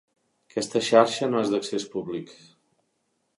Aquesta xarxa no és d'accés públic.